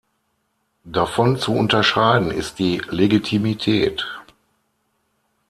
Davon zu unterscheiden ist die Legitimität.